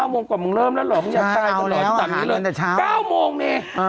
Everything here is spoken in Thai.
๙โมงก่อนมึงเริ่มแล้วหรอ